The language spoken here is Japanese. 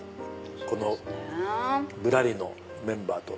この『ぶらり』のメンバーと。